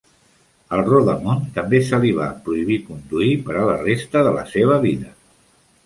Al rodamon també se li va prohibir conduir per a la resta de la seva vida.